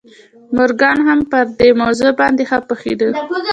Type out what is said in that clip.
مورګان هم پر دې موضوع باندې ښه پوهېده